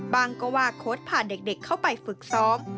ก็ว่าโค้ดผ่านเด็กเข้าไปฝึกซ้อม